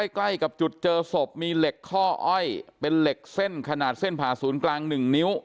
ใกล้กับจุดเจอศพมีเหล็กข้ออ้อยเป็นเหล็กเส้นขนาดเส้นผ่าศูนย์กลาง๑นิ้ว